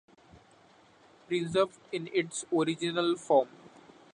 Preserved in its original form.